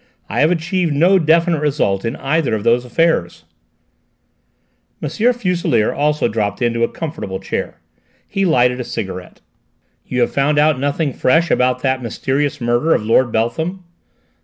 I have achieved no definite result in either of those affairs." M. Fuselier also dropped into a comfortable chair. He lighted a cigarette. "You have found out nothing fresh about that mysterious murder of Lord Beltham?"